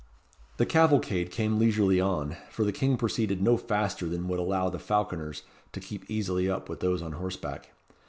The cavalcade came leisurely on, for the King proceeded no faster than would allow the falconers to keep easily up with those on horseback.